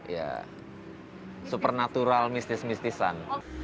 ya supernatural mistis mistisan